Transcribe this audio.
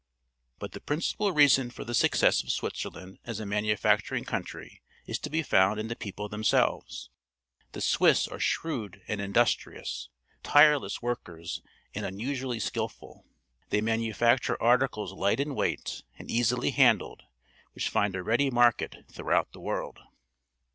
But the principal reason for the success of Switzerland as a manufacturing country is to be found in the people them selves. The Swiss are shrewd and indus trious, tireless workers, and unusually skilful. They manufacture articles light in weight and easily handled, which find a ready market throughout the world.